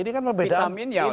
ini kan pembedaan